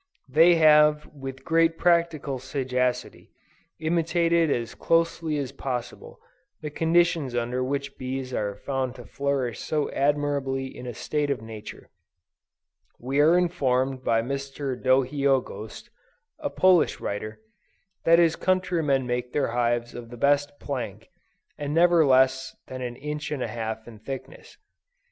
They have, with great practical sagacity, imitated as closely as possible, the conditions under which bees are found to flourish so admirably in a state of nature. We are informed by Mr. Dohiogost, a Polish writer, that his countrymen make their hives of the best plank, and never less than an inch and a half in thickness.